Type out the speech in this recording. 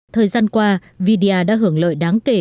thời gian qua vidya đã hưởng lợi đáng kể